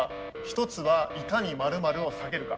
一つはいかに○○を下げるか。